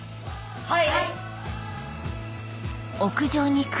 はい！